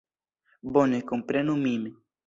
Bone komprenu min!